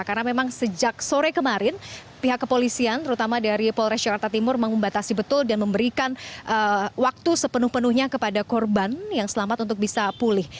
karena memang sejak sore kemarin pihak kepolisian terutama dari polres yorarta timur membatasi betul dan memberikan waktu sepenuh penuhnya kepada korban yang selamat untuk bisa pulih